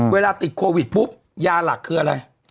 เวลาติดโควิดปุ๊บยาหลักคืออะไร